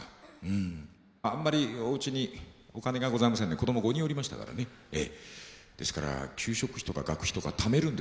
あんまりおうちにお金がございませんで子供５人おりましたからねですから給食費とか学費とかためるんですよ。